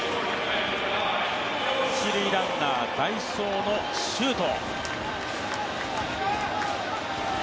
一塁ランナー代走の周東。